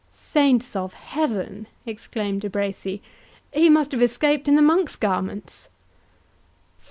"Saints of Heaven!" exclaimed De Bracy, "he must have escaped in the monk's garments!"